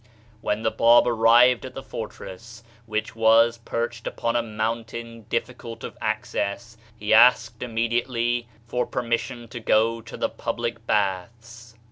When the Bab arrived at the fortress, which was perched upon a mountain difficult of ac cess, he asked immediately for permission to 33 THE SHINING PATHWAY go to the public baths.